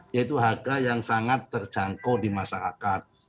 yaitu harga yang sangat terjangkau di masyarakat